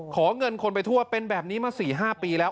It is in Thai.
ขอเงินคนไปทั่วเป็นแบบนี้มา๔๕ปีแล้ว